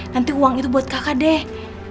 nanti uang itu buat kakak deh